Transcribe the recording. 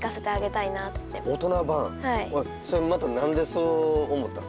それはまた何でそう思ったの？